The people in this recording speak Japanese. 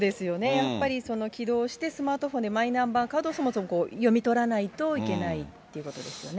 やっぱり起動して、スマートフォンでマイナンバーカードをそもそも読み取らないといけないってことですよね。